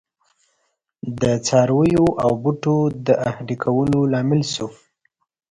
د څارویو او بوټو د اهلي کولو لامل شو.